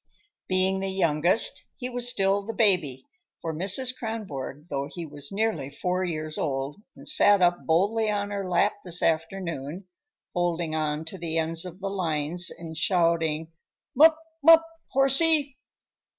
Being the youngest, he was still the baby for Mrs. Kronborg, though he was nearly four years old and sat up boldly on her lap this afternoon, holding on to the ends of the lines and shouting "'mup, 'mup, horsey."